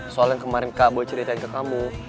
soalnya yang kemarin kak boy ceritain ke kamu